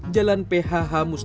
jalan phh musuh